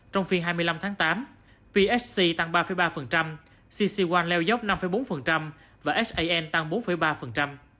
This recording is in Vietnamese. trong phiên hai mươi năm tháng tám psc tăng ba ba cc leo dốc năm bốn và san tăng bốn ba